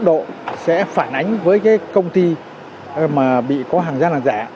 tùy theo mức độ sẽ phản ánh với cái công ty mà bị có hàng gian hàng giả